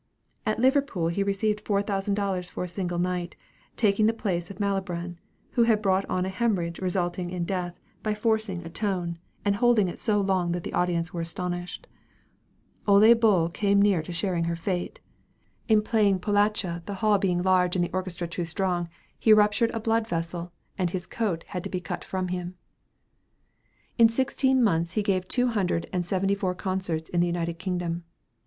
At Liverpool he received four thousand dollars for a single night, taking the place of Malibran, who had brought on a hemorrhage resulting in death, by forcing a tone, and holding it so long that the audience were astonished. Ole Bull came near sharing her fate. In playing "Polacca," the hall being large and the orchestra too strong, he ruptured a blood vessel, and his coat had to be cut from him. In sixteen months he gave two hundred and seventy four concerts in the United Kingdom.